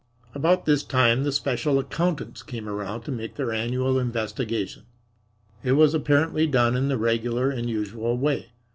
About this time the special accountants came around to make their annual investigation. It was apparently done in the regular and usual way.